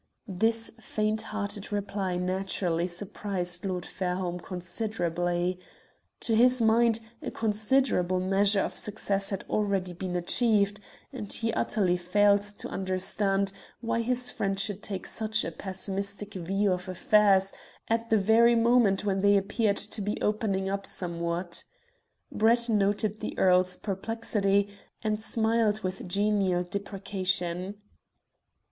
This faint hearted reply naturally surprised Lord Fairholme considerably. To his mind, a considerable measure of success had already been achieved, and he utterly failed to understand why his friend should take such a pessimistic view of affairs at the very moment when they appeared to be opening up somewhat. Brett noted the Earl's perplexity, and smiled with genial deprecation.